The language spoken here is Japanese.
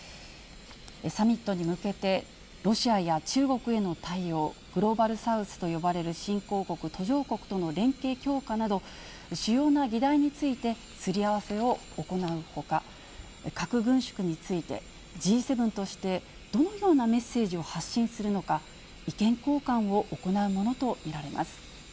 サミットに向けて、ロシアや中国への対応、グローバル・サウスと呼ばれる新興国、途上国との連携強化など、主要な議題についてすり合わせを行うほか、核軍縮について、Ｇ７としてどのようなメッセージを発信するのか、意見交換を行うものと見られます。